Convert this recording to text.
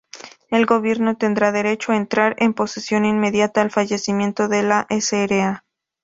El gobierno tendrá derecho a entrar en posesión inmediata al fallecimiento de la Sra.